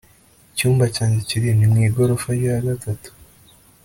icyumba cyanjye kiri he? ni mu igorofa rya gatatu